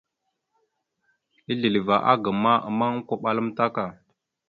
Asleva agam ma, ammaŋ okoɓala amətak.